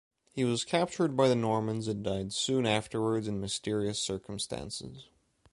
He was captured by the Normans and died soon afterwards in mysterious circumstances.